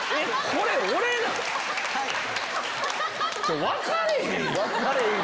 これ分かれへんやん。